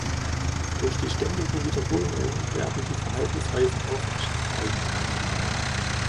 Durch die ständigen Wiederholungen werden die Verhaltensweisen aufrechterhalten.